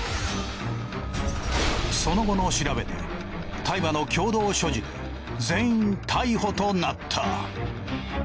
その後の調べで大麻の共同所持で全員逮捕となった。